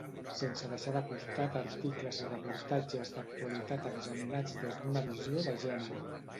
Sense deixar de costat articles i reportatges d'actualitat examinats des d'una visió de gènere.